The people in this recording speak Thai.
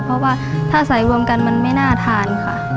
เพราะว่าถ้าใส่รวมกันมันไม่น่าทานค่ะ